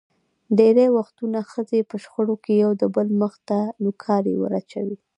ډېری وختونه ښځې په شخړو کې یو دبل مخ ته نوکارې ور اچوي.